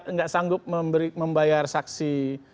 nggak sanggup membayar saksi